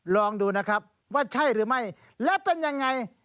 ลองดูนะครับว่าใช่หรือไม่และเป็นยังไง